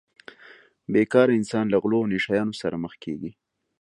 بې کاره انسان له غلو او نشه یانو سره مخ کیږي